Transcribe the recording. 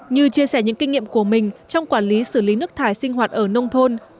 như chia sẻ những kinh nghiệm của mình trong quản lý xử lý nước thải sinh hoạt ở nông thôn